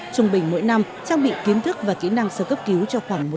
trung bình mỗi năm trang bị kiến thức và kỹ năng sơ cấp cứu cho khoảng một trăm linh